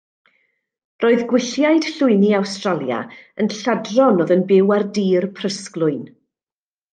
Roedd Gwylliaid Llwyni Awstralia yn lladron oedd yn byw ar dir prysglwyn.